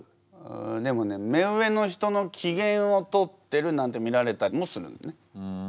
でもね目上の人の機嫌を取ってるなんて見られたりもするんだよね。